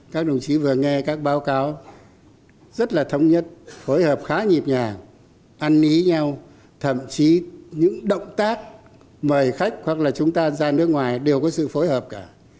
các đồng chí vừa nghe các báo cáo rất là thống nhất phối hợp khá nhịp nhàng ăn ý nhau thậm chí những động tác mời khách hoặc là chúng ta ra nước ngoài đều có sự phối hợp cả